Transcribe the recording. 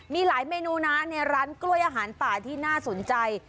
มีหลายเมนูนะในร้านกล้วยอาหารป่าที่น่าสนใจ